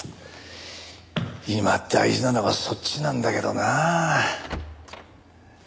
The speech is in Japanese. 今大事なのはそっちなんだけどなあ。